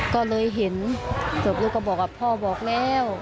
ก็เลยเห็นศพลูกก็บอกว่าพ่อบอกแล้ว